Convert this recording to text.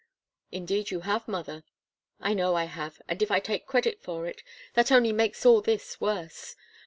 "Indeed you have, mother." "I know I have, and if I take credit for it, that only makes all this worse.